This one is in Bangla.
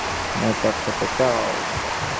এটা খেতে চাও?